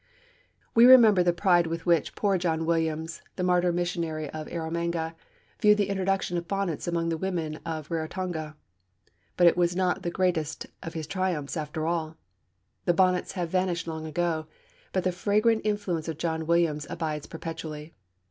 We remember the pride with which poor John Williams, the martyr missionary of Erromanga, viewed the introduction of bonnets among the women of Raratonga; but it was not the greatest of his triumphs after all. The bonnets have vanished long ago, but the fragrant influence of John Williams abides perpetually.